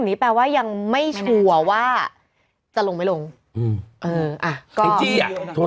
แปลว่ายังไม่ชัวร์ว่าจะลงไม่ลงอืมเอออ่ะก็จี้อ่ะ